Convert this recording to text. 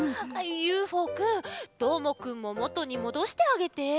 ＵＦＯくんどーもくんももとにもどしてあげて！